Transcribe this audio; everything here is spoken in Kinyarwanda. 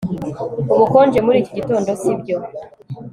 Ubukonje muri iki gitondo sibyo